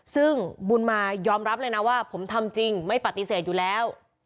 ซึ่งบุญมายอมรับเลยนะว่าผมทำจริงไม่ปฏิเสธอยู่แล้ว